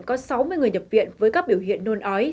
có sáu mươi người nhập viện với các biểu hiện nôn ói